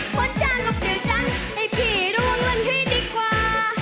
พอช่างกับเดี๋ยวจังให้พี่ระวังลั่งให้ดีกว่า